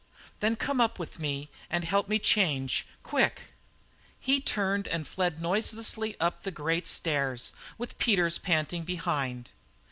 "Then come up with me and help me change. Quick!" He turned and fled noiselessly up the great stairs, with Peters panting behind.